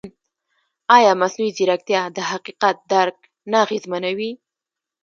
ایا مصنوعي ځیرکتیا د حقیقت درک نه اغېزمنوي؟